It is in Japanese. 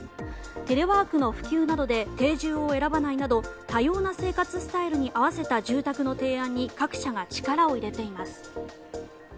テレワークの普及などで定住を選ばないなど多様な生活スタイルに合わせた住宅の提案に各社が力を入れています。